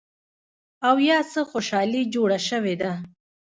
او يا څه خوشحالي جوړه شوې ده